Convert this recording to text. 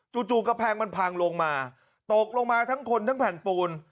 จู่จู่ปางมันผังลงมาตกลงมาทั้งคนขึ้นแผ่นปูน